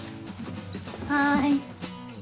はい。